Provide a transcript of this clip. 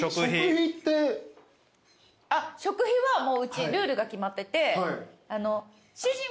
あっ食費はもううちルールが決まってて。